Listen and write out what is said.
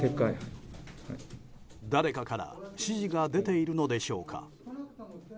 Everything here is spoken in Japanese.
誰かから指示が出ているのでしょうか。